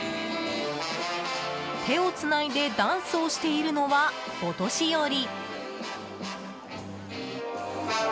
手をつないでダンスをしているのはお年寄り。